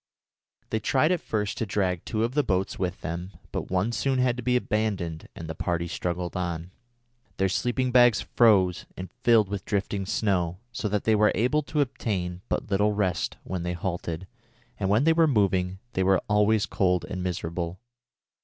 They tried at first to drag two of the boats with them, but one soon had to be abandoned and the party struggled on. Their sleeping bags froze and filled with drifting snow so that they were able to obtain but little rest when they halted, and when they were moving they were always cold and miserable.